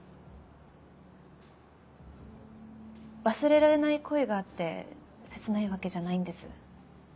忘れられない恋があって切ないわけじゃないんです。